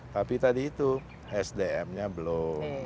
tapi tadi itu sdm nya belum